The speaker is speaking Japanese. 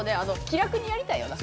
気楽にやりたいよな。